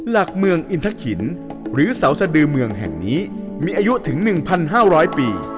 หลักเมืองอินทะขินหรือเสาสดือเมืองแห่งนี้มีอายุถึง๑๕๐๐ปี